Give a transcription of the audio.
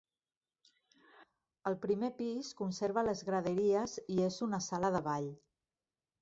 El primer pis conserva les graderies i és una sala de ball.